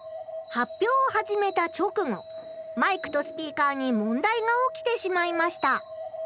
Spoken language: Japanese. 発表を始めた直後マイクとスピーカーに問題が起きてしまいました。